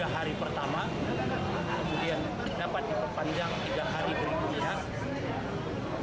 tiga hari pertama kemudian dapat diperpanjang tiga hari berikutnya